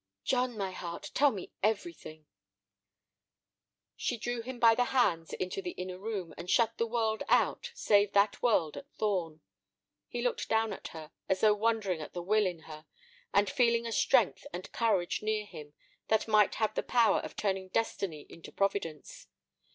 "John, my heart, tell me everything." She drew him by the hands into the inner room, and shut the world out, save that world at Thorn. He looked down at her, as though wondering at the will in her, and feeling a strength and courage near him that might have the power of turning destiny into providence.